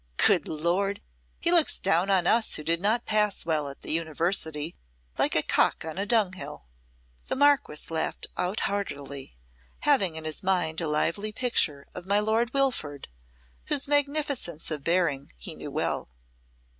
Good Lord! he looks down on us who did not pass well at the University, like a cock on a dunghill." The Marquess laughed out heartily, having in his mind a lively picture of my Lord Wilford, whose magnificence of bearing he knew well.